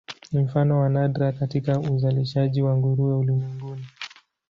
Ni mfano wa nadra katika uzalishaji wa nguruwe ulimwenguni.